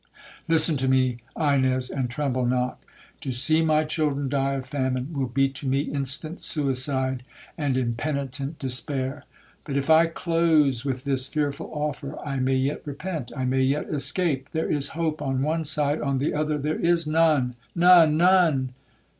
—Listen to me, Ines, and tremble not. To see my children die of famine will be to me instant suicide and impenitent despair! But if I close with this fearful offer, I may yet repent,—I may yet escape!—There is hope on one side—on the other there is none—none—none!